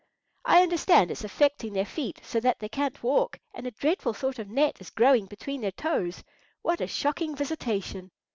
"I understand it's affecting their feet so that they can't walk, and a dreadful sort of net is growing between their toes. What a shocking visitation!"